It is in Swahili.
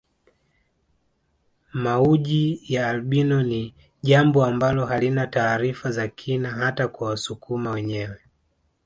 Mauji ya albino ni jambo ambalo halina taarifa za kina hata kwa wasukuma wenyewe